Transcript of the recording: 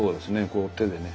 こう手でね。